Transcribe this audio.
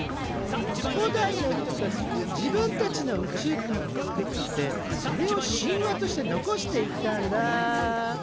古代の人たちは自分たちの宇宙観を作ってそれを神話として残していったんだ。